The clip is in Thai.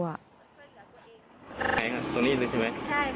แข็งตรงนี้เลยใช่ไหม